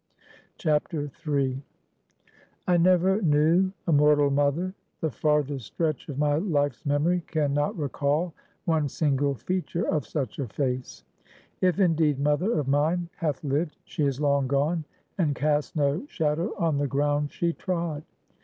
III. "I never knew a mortal mother. The farthest stretch of my life's memory can not recall one single feature of such a face. If, indeed, mother of mine hath lived, she is long gone, and cast no shadow on the ground she trod.